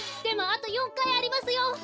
でもあと４かいありますよ！